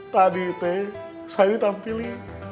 tadi saya ditampili